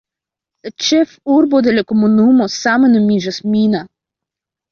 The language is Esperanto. La ĉefurbo de la komunumo same nomiĝas "Mina".